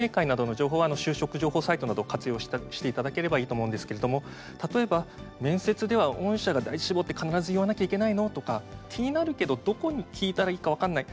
企業説明会などの情報は就職情報サイトなどを活用していただければいいと思うんですけれども例えば、面接では御社が第一志望って必ず言わなきゃいけないの？とか気になるけどどこに聞いたらいいか分からない